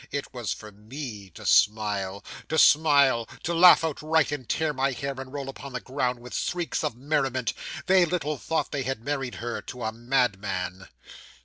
It was for me to smile. To smile! To laugh outright, and tear my hair, and roll upon the ground with shrieks of merriment. They little thought they had married her to a madman.